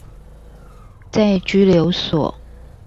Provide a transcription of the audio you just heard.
在拘留所